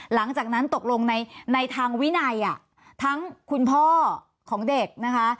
หลังจากนั้นตกลงในทางวินัยทั้งคุณพ่อของเด็กนะคะ